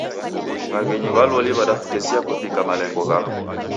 W'aghenyi wa loli w'adakutesia kuvikia malengo ghako.